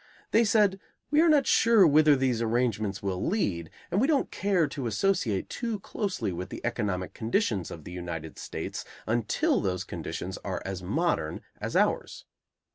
They said: "We are not sure whither these arrangements will lead, and we don't care to associate too closely with the economic conditions of the United States until those conditions are as modern as ours."